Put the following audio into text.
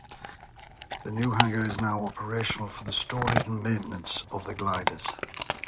The new hanger is now operational for the storage and maintenance of the gliders.